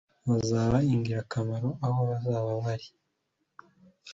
bazaba ingirakamaro aho bazaba bari.